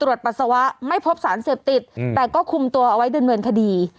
ตรวจปัสสาวะไม่พบสารเสพติดแต่ก็คุมตัวเอาไว้ด้วยเมืองคดี